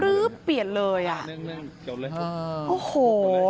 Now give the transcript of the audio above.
ปลื๊บเปลี่ยนเลยอ่ะนั่งจบแล้วโอ้โห